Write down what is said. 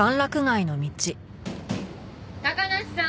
高梨さん